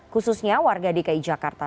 khususnya warga dki jakarta